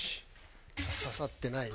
刺さってないね。